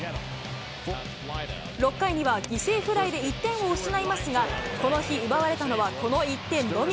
６回には犠牲フライで１点を失いますが、この日奪われたのはこの１点のみ。